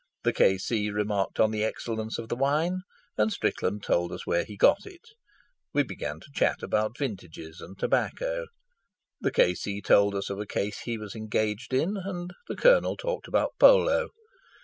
The K.C. remarked on the excellence of the wine, and Strickland told us where he got it. We began to chat about vintages and tobacco. The K.C. told us of a case he was engaged in, and the Colonel talked about polo.